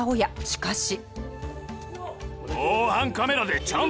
しかし。